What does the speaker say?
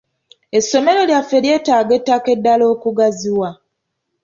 Essomero lyaffe lyetaaga ettaka eddala okugaziwa.